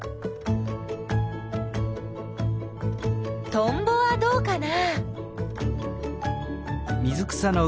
トンボはどうかな？